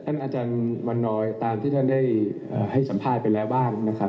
อาจารย์วันนอยตามที่ท่านได้ให้สัมภาษณ์ไปแล้วบ้างนะครับ